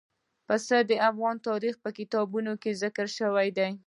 پسه د افغان تاریخ په کتابونو کې ذکر شوی دي.